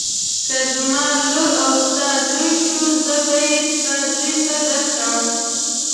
که زما لور او ستا زوی شو زه به یې ستا زوی ته درکړم.